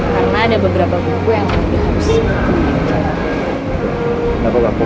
karena ada beberapa buku yang masih di dalam kesejahteraan